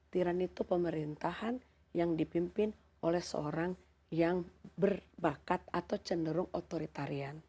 tiran itu pemerintahan yang dipimpin oleh seorang yang berbakat atau cenderung otoritarian